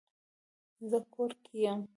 زه کور کې یم